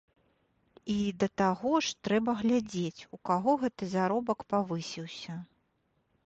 І, да таго ж, трэба глядзець, у каго гэты заробак павысіўся.